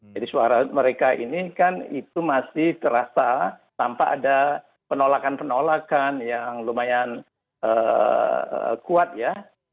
jadi suara mereka ini kan itu masih terasa tanpa ada penolakan penolakan yang lumayan kuat ya